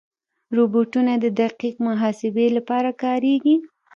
روبوټونه د دقیق محاسبې لپاره کارېږي.